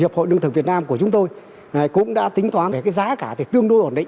hiệp hội lương thực việt nam của chúng tôi cũng đã tính toán về cái giá cả thì tương đối ổn định